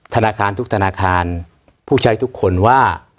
ธนาคารทุกธนาคารผู้ใช้ทุกคนว่า